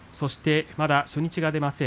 まだ初日が出ません